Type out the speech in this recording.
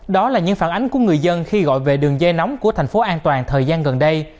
đó là những phản ánh của người dân khi gọi về đường dây nóng của thành phố an toàn thời gian gần đây